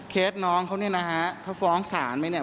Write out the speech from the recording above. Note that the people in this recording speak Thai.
เคสน้องเขาเนี่ยนะฮะเขาฟ้องสารไหมเนี่ย